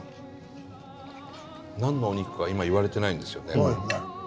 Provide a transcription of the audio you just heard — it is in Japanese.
何のお肉か今言われてないんですよね？